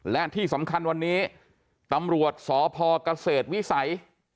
และที่สำคัญวันนี้ตำรวจสพเกษตรวิสัย